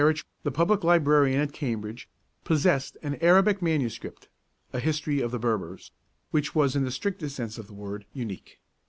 In 1827 Mr. Kerrich, the Public Librarian at Cambridge, possessed an Arabic Manuscript (a history of the Berbers), which was in the strictest sense of the word unique.